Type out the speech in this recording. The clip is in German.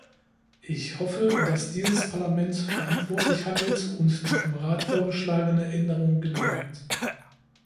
Ich hoffe, dass dieses Parlament verantwortlich handelt und die vom Rat vorgeschlagene Änderung genehmigt.